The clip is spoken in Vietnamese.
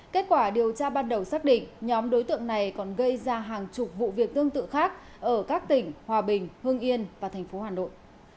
kết quả điều tra ban đầu xác định nhóm đối tượng này còn gây ra hàng chục vụ việc tương tự khác ở các tỉnh hòa bình hương yên và tp hà nội